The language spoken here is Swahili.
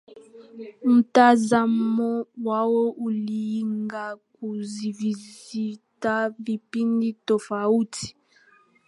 mtazamo wao ulilengakuvisisitiza vipindi tofauti